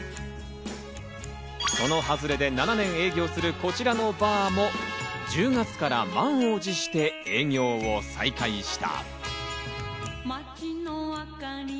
その外れで７年営業するこちらのバーも１０月から満を持して営業を再開した。